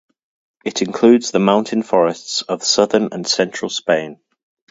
It includes the mountain forests of southern and central Spain.